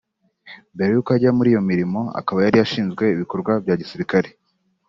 mbere yuko ajya kuri iyi mirimo akaba yari ashinzwe ibikorwa bya gisirikare